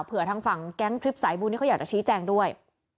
เหรอเผื่อทางฟังกลางทริปสายบุญนี้เขาก็อยากนู้นด้วย